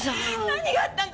何があったの！？